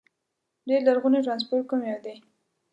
ډېر لرغونی ترانسپورت کوم یو دي؟